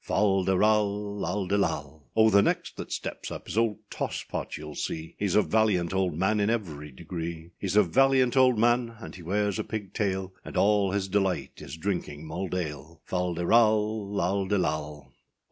Fal de ral, &c. O! the next that steps up is old Toss Pot, youâll see, Heâs a valiant old man, in every degree, Heâs a valiant old man, and he wears a pig tail; And all his delight is drinking mulled ale. Fal de ral, &c. O!